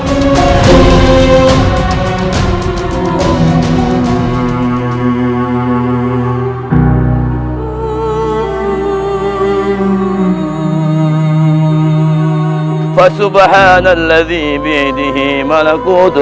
kau harus mencari kesehatan